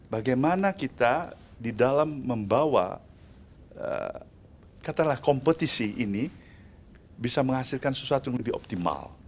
bagaimana kita di dalam membawa katakanlah kompetisi ini bisa menghasilkan sesuatu yang lebih optimal